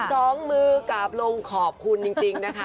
สองมือกลับลงขอบคุณจริงนะคะ